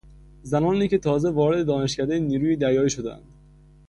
زنانی که تازه وارد دانشکدهی نیروی دریایی شدهاند